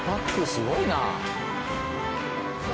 すごいな。